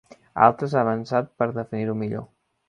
Altres han avançat per definir-ho millor.